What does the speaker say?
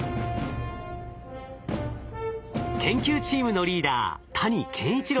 研究チームのリーダー谷健一郎さんです。